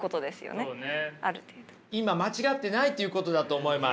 今間違ってないっていうことだと思います。